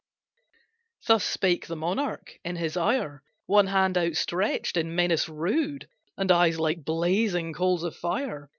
Thus spake the monarch in his ire, One hand outstretched, in menace rude, And eyes like blazing coals of fire.